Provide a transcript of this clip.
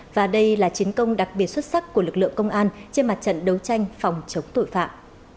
và đây là chiến công đặc biệt xuất sắc của lực lượng công an trên mặt trận đấu tranh phòng chống tội phạm